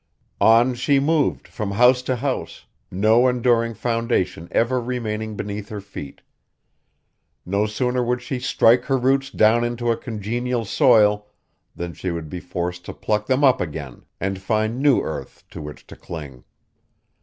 On she moved from house to house, no enduring foundation ever remaining beneath her feet. No sooner would she strike her roots down into a congenial soil than she would be forced to pluck them up again and find new earth to which to cling.